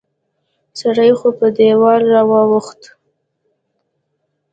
سړی خو په دیوال را واوښت